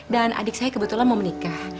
dan adik saya kebetulan mau menikah